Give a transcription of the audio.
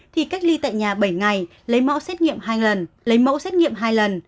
thì cách ly tại nhà bảy ngày lấy mẫu xét nghiệm hai lần lấy mẫu xét nghiệm hai lần